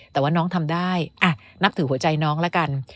แต่ว่าน้องทำได้นับถือหัวใจน้องละกัน